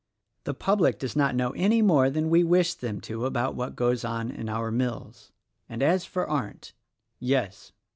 The public does not know any more than we wish them to about what goes on in our mills. And as for Arndt —" "Yes!"